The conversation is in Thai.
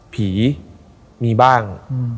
ผีมีบ้าง